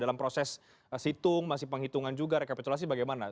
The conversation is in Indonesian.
dalam proses situng masih penghitungan juga rekapitulasi bagaimana